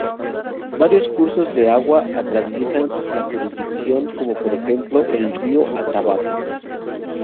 Varios cursos de agua atraviesan la jurisdicción, como por ejemplo el Río Atabapo.